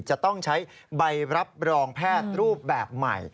จะต้องใช้ใบรับรองแพทย์รูปแบบใหม่